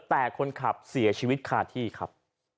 แต่คนขับเสียชีวิตคาที่ครับ